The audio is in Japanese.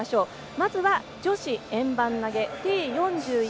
まずは、女子円盤投げＴ４１